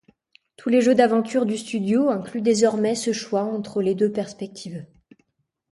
Tous les jeux d'aventure du studio incluent désormais ce choix entre les deux perspectives.